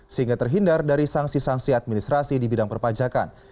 sehingga terhindar dari sanksi sanksi administrasi di bidang perpajakan